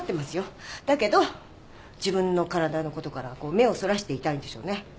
だけど自分の体のことからは目をそらしていたいんでしょうね。